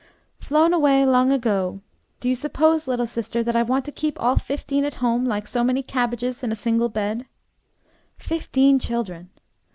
"Flown away, long ago! Do you suppose, little sister, that I want to keep all fifteen at home like so many cabbages in a single bed?" Fifteen children!